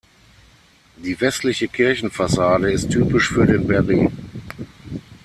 Die westliche Kirchenfassade ist typisch für den Berry.